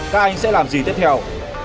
các anh sẽ làm gì tiếp theo